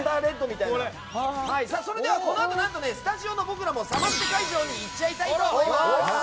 このあと、スタジオの僕らもサマステ会場に行っちゃいたいと思います。